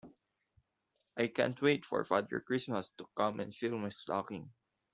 I can't wait for Father Christmas to come and fill my stocking